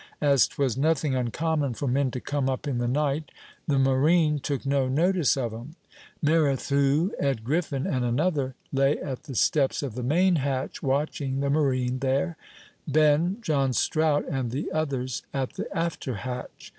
As 'twas nothing uncommon for men to come up in the night, the marine took no notice of 'em. Merrithew, Ed Griffin, and another, lay at the steps of the main hatch, watching the marine there; Ben, John Strout, and the others at the after hatch.